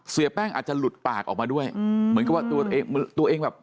เสียแป้งอาจจะหลุดปากออกมาด้วยอืมเหมือนกับว่าตัวเองตัวเองแบบ